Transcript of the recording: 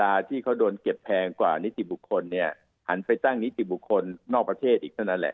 อาจารย์คะถ้าอย่างนั้นแสดงว่า